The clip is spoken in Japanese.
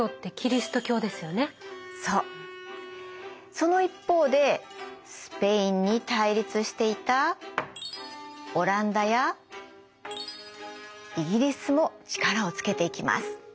その一方でスペインに対立していたオランダやイギリスも力をつけていきます。